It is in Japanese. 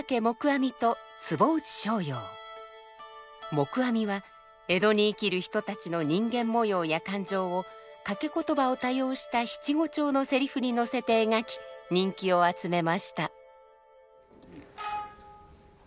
黙阿弥は江戸に生きる人たちの人間模様や感情を掛詞を多用した七五調のセリフにのせて描き人気を集めました。